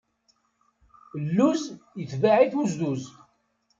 Lluz itebaɛ-it uzduz.